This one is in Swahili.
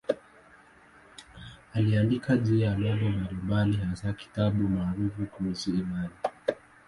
Aliandika juu ya mambo mbalimbali, hasa kitabu maarufu kuhusu imani.